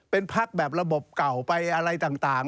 เป็นพักแบบระบบเก่าไปอะไรต่าง